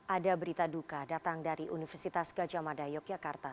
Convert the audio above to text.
ada berita duka datang dari universitas gajah mada yogyakarta